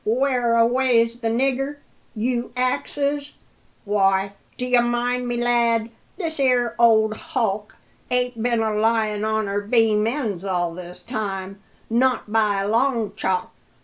"Whereaway's the nigger, you axes? Why, d'ye mind me, lad, this 'ere old hulk ain't been a lyin' on her beam ends all this time, not by a long chalk.